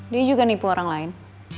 dia juga nipu orang lain